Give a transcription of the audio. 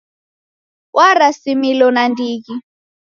Warasimilo nandighi.